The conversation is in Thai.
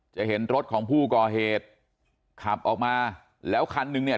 จะเห็นรถของผู้ก่อเหตุขับออกมาแล้วคันนึงเนี่ย